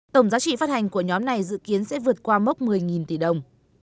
tổng giá trị phát hành của nhóm này dự kiến sẽ vượt qua mốc một mươi tỷ đồng